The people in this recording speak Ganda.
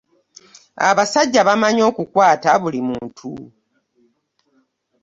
Abasajja bamanyi okukwata buli muntu.